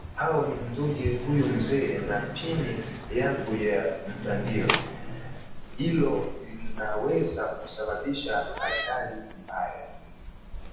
Au nimdunge huyu mzee na pini yangu ya mtandio? Hilo linaweza kusababisha ajali mbaya